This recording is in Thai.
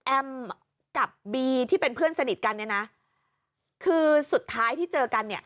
กับบีที่เป็นเพื่อนสนิทกันเนี่ยนะคือสุดท้ายที่เจอกันเนี่ย